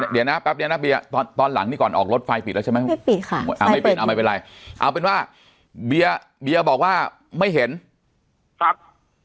เดี๋ยวนะแป๊บเดียวนะเบียร์ตอนหลังนี่ก่อนออกรถไฟปิดแล้วใช่ไหมไม่ปิดค่ะไม่เป็นเอาไม่เป็นไรเอาเป็นว่าเบียร์เบียบอกว่าไม่เห็นครับ